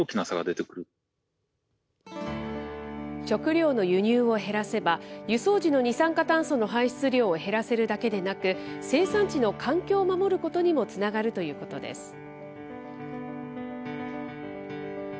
食料の輸入を減らせば、輸送時の二酸化炭素の排出量を減らせるだけでなく、生産地の環境を守ることにもつながるということです。